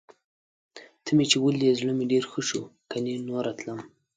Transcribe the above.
ته مې چې ولیدې، زړه مې ډېر ښه شو. کني نوره تلم.